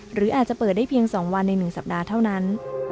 หรืออาจจะเปิดได้เพียง๒วันใน๑สัปดาห์เท่านั้น